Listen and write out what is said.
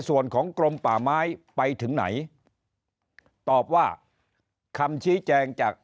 ส่วนของกรมป่าไม้ไปถึงไหนตอบว่าคำชี้แจงจาก